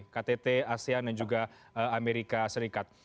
ktt asean dan juga amerika serikat